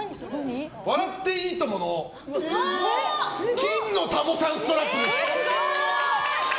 「笑っていいとも！」の金のタモさんストラップです！